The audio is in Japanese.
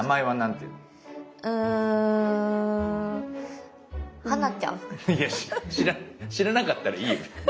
いや知らなかったらいいよ。